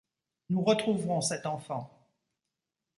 Nous retrouverons cet enfant.